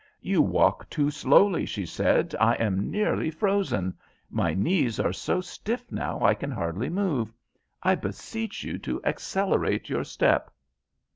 "You walk too slowly," she said. "I am nearly frozen. My knees are so stiff now I can hardly move. I beseech you to accelerate your step."